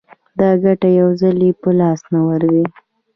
دا ګټه یو ځلي په لاس نه ورځي